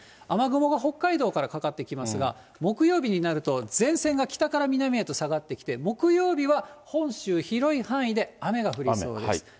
雨雲が北海道からかかってきますが、木曜日になると、前線が北から南へと下がってきて、木曜日は本州、広い範囲で雨が降りそうです。